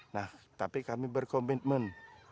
nah tapi kami berkomitmen